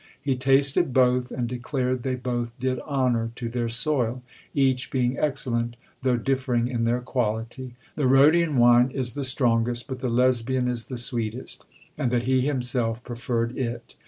He tasted both, and declared they both did honour to their soil, each being excellent, though differing in their quality; the Rhodian wine is the strongest, but the Lesbian is the sweetest, and that he himself preferred it.